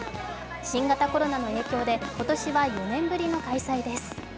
新型コロナの影響で今年は４年ぶりの開催です。